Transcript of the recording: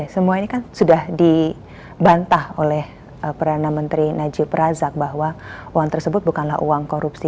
semua ini kan sudah dibantah oleh perdana menteri najib razak bahwa uang tersebut bukanlah uang korupsi